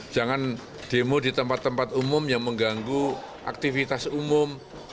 jangan demo di tempat tempat umum yang mengganggu aktivitas umum